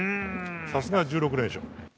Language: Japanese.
さすが１６連勝。